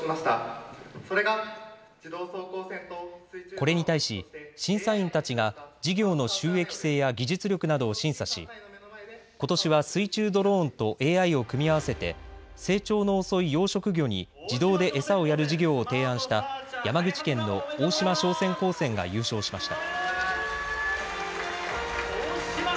これに対し審査員たちが事業の収益性や技術力などを審査しことしは水中ドローンとＡＩを組み合わせて成長の遅い養殖魚に自動で餌をやる事業を提案した山口県の大島商船高専が優勝しました。